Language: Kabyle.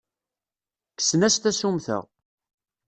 Kksen-as tasummta.